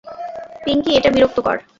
পিঙ্কি, এটা বিরক্তিকর।